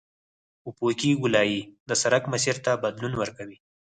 افقي ګولایي د سرک مسیر ته بدلون ورکوي